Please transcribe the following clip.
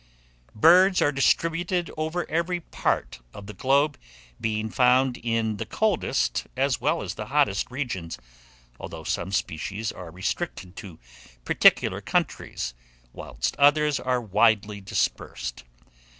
BIRDS ARE DISTRIBUTED OVER EVERY PART OF THE GLOBE, being found in the coldest as well as the hottest regions, although some species are restricted to particular countries, whilst others are widely dispersed.